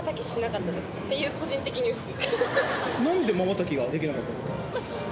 せの！っていう個人的ニュース。